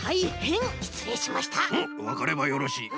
うんわかればよろしい。